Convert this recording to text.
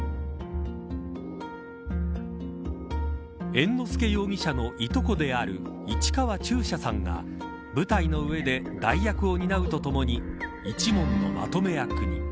猿之助容疑者のいとこである市川中車さんが舞台の上で代役を担うとともに一門のまとめ役に。